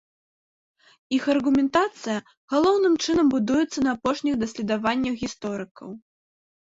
Іх аргументацыя галоўным чынам будуецца на апошніх даследаваннях гісторыкаў.